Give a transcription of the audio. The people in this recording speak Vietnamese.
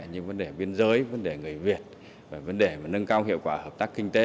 như vấn đề biên giới vấn đề người việt vấn đề nâng cao hiệu quả hợp tác kinh tế